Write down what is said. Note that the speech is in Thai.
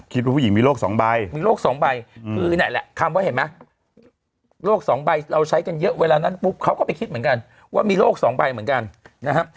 ผู้หญิงมีโรคสองใบมีโรคสองใบคือนั่นแหละคำว่าเห็นไหมโรคสองใบเราใช้กันเยอะเวลานั้นปุ๊บเขาก็ไปคิดเหมือนกันว่ามีโรคสองใบเหมือนกันนะครับ